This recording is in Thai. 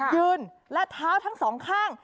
ยืนและเท้าทั้งสองข้าง